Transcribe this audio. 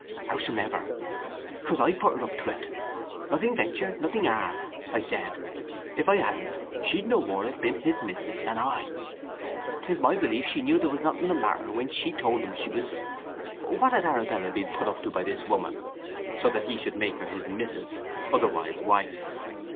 "Howsomever, 'twas I put her up to it! 'Nothing venture nothing have,' I said. If I hadn't she'd no more have been his mis'ess than I." "'Tis my belief she knew there was nothing the matter when she told him she was…" What had Arabella been put up to by this woman, so that he should make her his "mis'ess," otherwise wife?